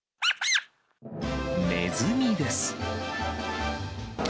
ネズミです。